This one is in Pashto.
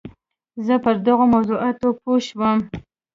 زه پر دغو موضوعاتو پوه شوم.